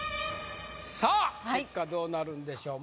さあ結果どうなるんでしょう